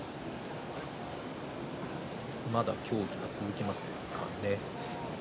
まだ協議が続きますかね。